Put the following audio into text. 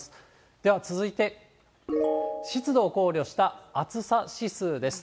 では続いて、湿度を考慮した暑さ指数です。